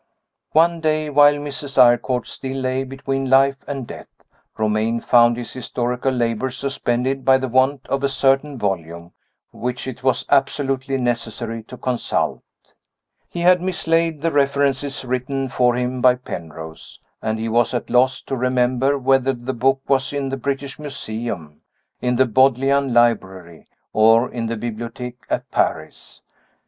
One day, while Mrs. Eyrecourt still lay between life and death, Romayne found his historical labors suspended by the want of a certain volume which it was absolutely necessary to consult. He had mislaid the references written for him by Penrose, and he was at a loss to remember whether the book was in the British Museum, in the Bodleian Library, or in the Bibliotheque at Paris.